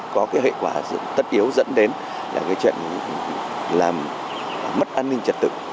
có cái hệ quả tất yếu dẫn đến là cái chuyện làm mất an ninh trật tự